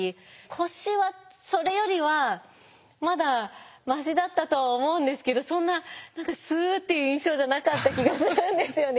腰はそれよりはまだましだったとは思うんですけどそんな何かスッていう印象じゃなかった気がするんですよね。